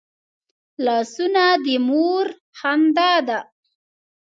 لاسونه د مور خندا ده